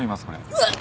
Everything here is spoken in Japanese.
うわっ！